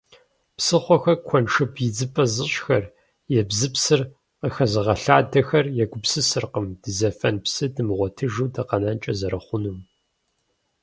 Псыхъуэхэр куэншыб идзыпӀэ зыщӀхэр, ебзыпсыр къыхэзыгъэлъадэхэр егупсысыркъым дызэфэн псы дымыгъуэтыжу дыкъэнэнкӀэ зэрыхъунум.